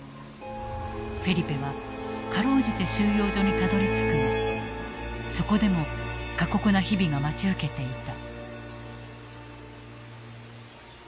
フェリペは辛うじて収容所にたどりつくがそこでも過酷な日々が待ち受けていた。